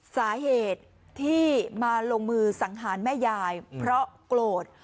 สาเหตุที่มาลงมือสังหารแม่ยายเพราะโกรธ